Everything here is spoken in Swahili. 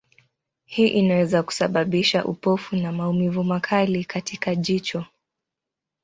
Hii inaweza kusababisha upofu na maumivu makali katika jicho.